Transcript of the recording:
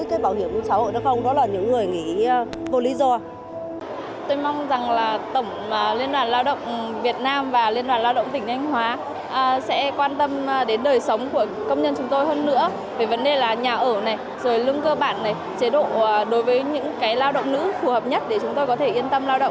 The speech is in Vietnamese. về vấn đề nhà ở lương cơ bản chế độ đối với những lao động nữ phù hợp nhất để chúng tôi có thể yên tâm lao động và tạo ra năng suất lao động cao nhất có thể